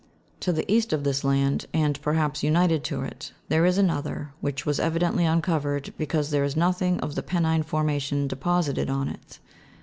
To the east of this land, and perhaps united to it, there is another, which was evidently uncovered, because there is nothing of the penine formation deposited on it.